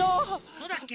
そうだっけ？